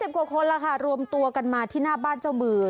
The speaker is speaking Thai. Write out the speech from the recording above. กว่าคนล่ะค่ะรวมตัวกันมาที่หน้าบ้านเจ้ามือ